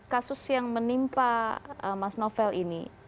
kasus yang menimpa mas novel ini